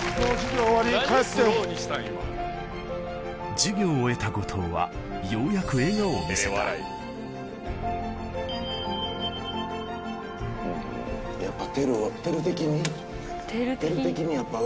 授業を終えた後藤はようやく笑顔を見せたやっぱ。